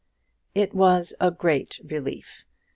It was a great relief.